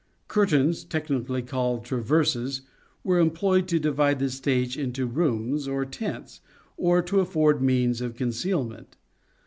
Curtains, technically called traverses, were employed to divide the stage into rooms or tents, or to afford means of concealment.